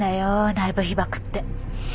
内部被ばくって。